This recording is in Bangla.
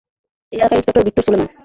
এই এলাকার ইন্সপেক্টর, ভিক্টোর সোলোমন।